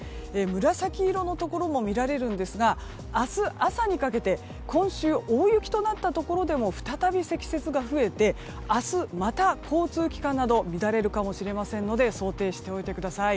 紫色のところも見られるんですが明日、朝にかけて今週大雪となったところでも再び積雪が増えて明日また交通機関など乱れるかもしれませんので想定しておいてください。